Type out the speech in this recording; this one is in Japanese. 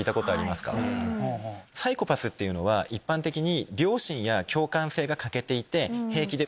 サイコパスっていうのは一般的に。